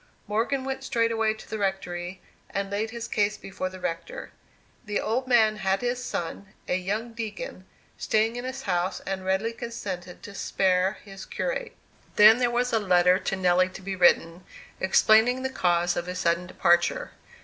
Morgan went straightway to the rectory, and laid his case before the rector. The old man had his son, a young deacon, staying in his house, and readily consented to spare his curate. Then there was a letter to Nelly to be written, explaining the cause of his sudden departure.